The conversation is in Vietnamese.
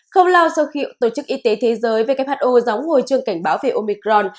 không lao sâu khiệu tổ chức y tế thế giới who gióng hồi trường cảnh báo về omicron